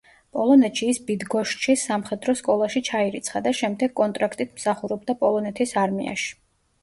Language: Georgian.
პოლონეთში ის ბიდგოშჩის სამხედრო სკოლაში ჩაირიცხა და შემდეგ კონტრაქტით მსახურობდა პოლონეთის არმიაში.